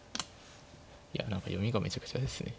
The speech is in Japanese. いや何か読みがめちゃくちゃですね。